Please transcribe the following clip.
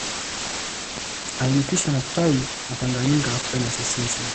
Amejihusisha na tawi la Tanganyika African Association